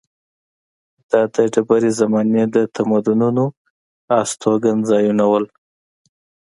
دا د ډبرې زمانې د تمدنونو استوګنځایونه وو.